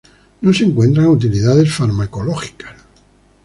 No se encuentran utilidades farmacológicas.